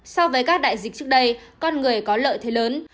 so với các đại dịch trước đây con người có lợi thế lớn